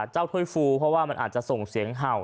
ถ้วยฟูเพราะว่ามันอาจจะส่งเสียงเห่า